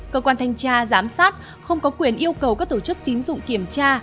cơ quan thanh tra giám sát không có quyền yêu cầu các tổ chức tín dụng kiểm tra